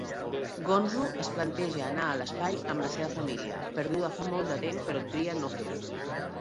Gonzo es planteja anar a l'espai amb la seva família, perduda fa molt de temps, però tria no fer-ho.